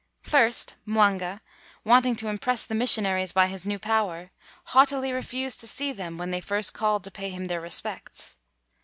First, Mwanga, wanting to impress the missionaries by his new power, haughtily refused to see them when they first called to pay him their respects.